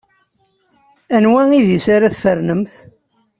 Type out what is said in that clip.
Anwa idis ara tfernemt?